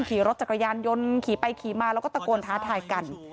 ขี่รถจากกระยาญยนต์ขี่ไปขี่มาแล้วตะกรณ์ท้าทายกัน